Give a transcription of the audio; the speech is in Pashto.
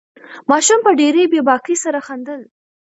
ماشوم په ډېرې بې باکۍ سره خندل.